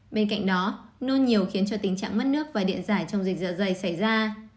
bên cạnh đó nôn nhiều khiến cho tình trạng mất nước và điện giải trong dịch dạ dày xảy ra